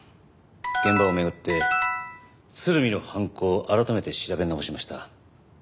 現場を巡って鶴見の犯行を改めて調べ直しました。